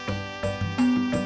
tidak ada yang bisa diberikan